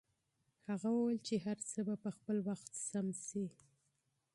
هغه وویل چې هر څه به په خپل وخت حل شي.